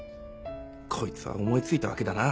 こいつは思い付いたわけだな。